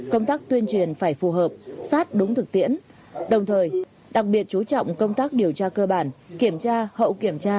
công tác tuyên truyền phải phù hợp sát đúng thực tiễn đồng thời đặc biệt chú trọng công tác điều tra cơ bản kiểm tra hậu kiểm tra